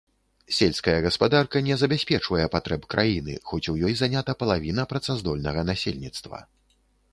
Сельская гаспадарка не забяспечвае патрэб краіны, хоць у ёй занята палавіна працаздольнага насельніцтва.